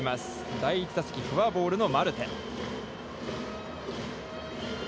第１打席フォアボールのマルテ。